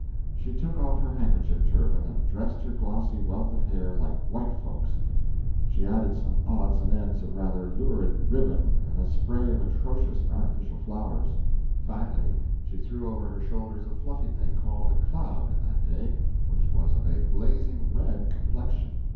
She took off her handkerchief turban and dressed her glossy wealth of hair "like white folks"; she added some odds and ends of rather lurid ribbon and a spray of atrocious artificial flowers; finally she threw over her shoulders a fluffy thing called a "cloud" in that day, which was of a blazing red complexion.